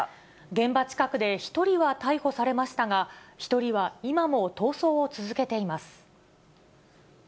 現場近くで１人は逮捕されましたが、１人は今も逃走を続けています。